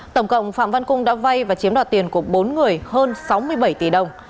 tổng cộng phạm văn cung đã vay và chiếm đoạt tiền của bốn người hơn sáu mươi bảy tỷ đồng